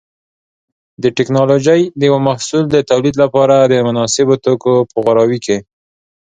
د ټېکنالوجۍ د یو محصول د تولید لپاره د مناسبو توکو په غوراوي کې.